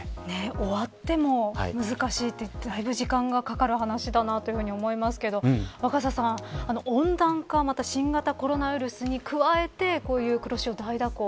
終わっても難しいというとだいぶ時間がかかる話だなと思いますけれど若狭さん、温暖化または新型コロナウイルスに加えてこういう黒潮大蛇行